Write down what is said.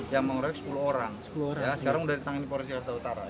yang mengeroyok sepuluh orang sekarang sudah ditangani polres jakarta utara